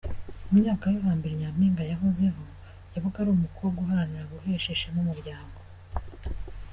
Mu myaka yo hambere Nyampinga yahozeho, yabaga ari umukobwa uharanira guhesha ishema umuryango.